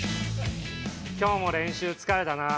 今日も練習疲れたな。